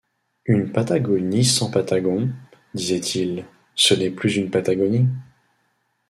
Une Patagonie sans Patagons, disait-il, ce n’est plus une Patagonie.